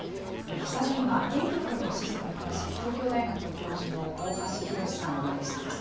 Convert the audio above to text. スタジオには電力のシステムに詳しい東京大学教授の大橋弘さんをお招きしています。